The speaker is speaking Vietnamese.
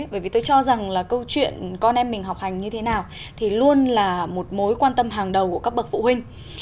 bởi vì tôi cho rằng là câu chuyện con em mình học hành như thế nào thì luôn là một mối quan tâm hàng đầu của các bậc phụ huynh